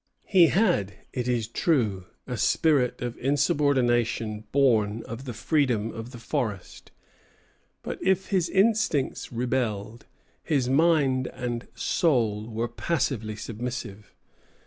He had, it is true, a spirit of insubordination born of the freedom of the forest; but if his instincts rebelled, his mind and soul were passively submissive.